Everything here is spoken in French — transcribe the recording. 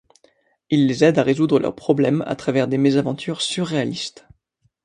Il les aide à résoudre leurs problèmes à travers des mésaventures surréalistes.